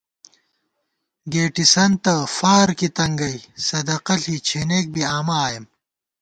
گېٹِسَنتہ فارکی تنگَئ، صدقہ ݪی، چھېنېک بی آمہ آئېم